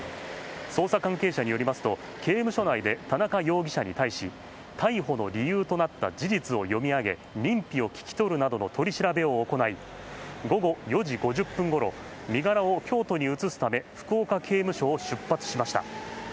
捜査関係者によりますと、刑務所内で田中容疑者に対し逮捕の理由となった事実を読み上げ、認否を聞き取るなどの取り調べを行い、午後４時５０分ごろ、身柄を京都に移すため福岡刑務所を出発しました。